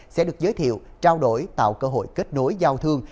sẽ được giới thiệu trao đổi tạo cơ hội kết nối giao thương